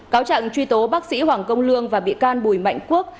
cáo trạng truy tố bác sĩ hoàng công lương và bị can bùi mạnh quốc